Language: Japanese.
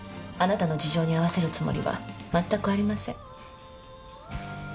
あなたの事情に合わせるつもりはまったくありません。